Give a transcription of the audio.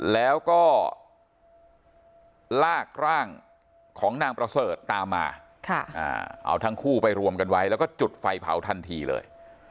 แล้วก็ลากร่างของนางประเสริฐตามมาเอาทั้งคู่ไปรวมกันไว้แล้วก็จุดไฟเผาทันทีเลย